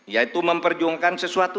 yaitu memperjuangkan sesuatu